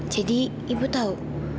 jadi ibu tau